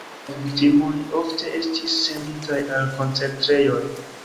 Ĝiaj viktimoj ofte estis senditaj al koncentrejoj.